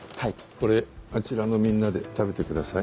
これあちらのみんなで食べてください。